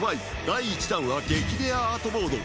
第１弾は激レアアートボード